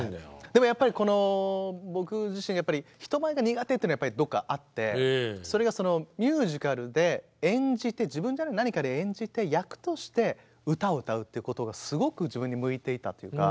でもやっぱりこの僕自身が人前が苦手っていうのがどっかあってそれがそのミュージカルで演じて自分じゃない何かで演じて役として歌を歌うっていうことがすごく自分に向いていたっていうか。